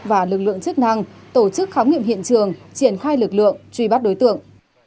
và lực lượng chức năng tổ chức khám nghiệm hiện trường triển khai lực lượng truy bắt đối tượng